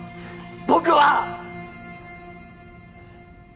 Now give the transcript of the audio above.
僕は！